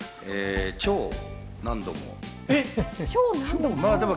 超何度も。